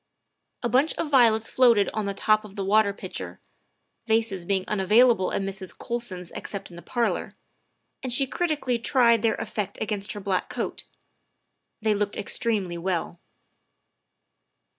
A bunch of violets floated on the top of the water pitcher, vases being unavailable at Mrs. Colson's except in the parlor, and she critically tried their effect against her black coat ; they looked extremely well.